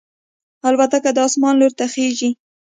الوتکه د اسمان لور ته خېژي.